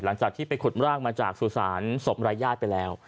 หลังจากที่ไปขุดร่างมาจากสุสานศพรายญาติไปแล้ว